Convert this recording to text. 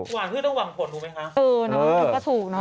หวังคือต้องหวังผลรู้ไหมคะ